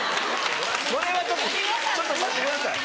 それはちょっとちょっと待ってください。